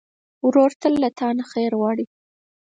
ورور تل له تا نه خیر غواړي.